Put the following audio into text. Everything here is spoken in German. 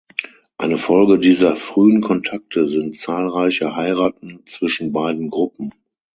Eine Folge dieser frühen Kontakte sind zahlreiche Heiraten zwischen beiden Gruppen.